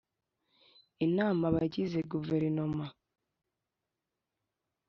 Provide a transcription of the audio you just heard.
inama abandi bagize Guverinoma